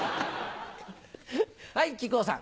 はい木久扇さん。